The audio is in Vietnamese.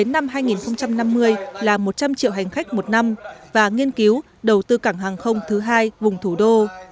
năm hai nghìn năm mươi là một trăm linh triệu hành khách một năm và nghiên cứu đầu tư cảng hàng không thứ hai vùng thủ đô